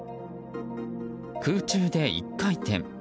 空中で１回転。